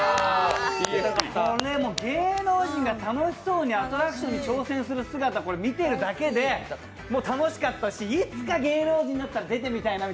これも芸能人が楽しそうにアトラクションに挑戦する姿を見てるだけで楽しかったし、いつか芸能人になったら出てみたいな。